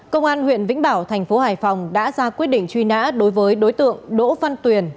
công an huyện vĩnh bảo thành phố hải phòng đã ra quyết định truy nã đối với đối tượng đỗ văn tuyền